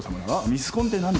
ミスコンって何だ？